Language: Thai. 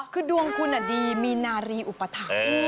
คือดวงคุณดีมีนารีอุปถัก